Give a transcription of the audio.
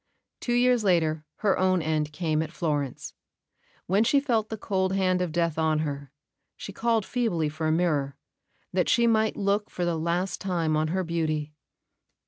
Two years later her own end came at Florence. When she felt the cold hand of death on her, she called feebly for a mirror, that she might look for the last time on her beauty.